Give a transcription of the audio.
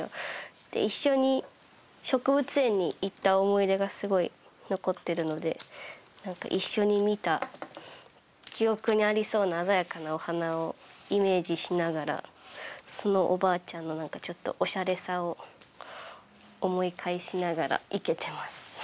で一緒に植物園に行った思い出がすごい残ってるので何か一緒に見た記憶にありそうな鮮やかなお花をイメージしながらそのおばあちゃんの何かちょっとオシャレさを思い返しながら生けてます。